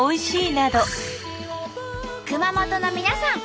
熊本の皆さん